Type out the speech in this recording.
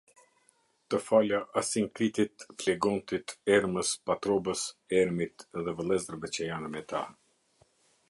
Të fala Asinkritit, Flegontit, Ermës, Patrobës, Ermit dhe vëllezërve që janë me ta.